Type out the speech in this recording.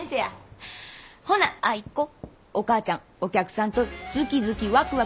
ほなアイ子お母ちゃんお客さんとズキズキワクワクしてくるわ。